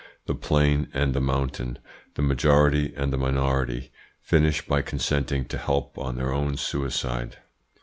The Plain and the Mountain, the majority and the minority, finish by consenting to help on their own suicide.